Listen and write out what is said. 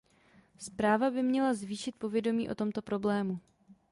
Zpráva by měla zvýšit povědomí o tomto problému.